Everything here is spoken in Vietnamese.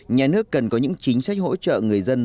nhà nước cần có những chính sách hỗ trợ người dân